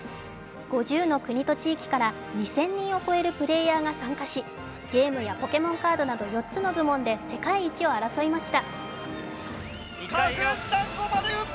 ５０の国と地域から２０００人を超えるプレーヤーが参加し、ゲームやポケモンカードなど４つの部門で世界一を争いました。